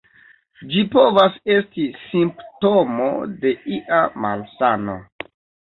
Ĝi povas esti simptomo de ia malsano.